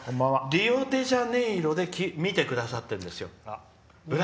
リオデジャネイロで見てくださっているんですよ。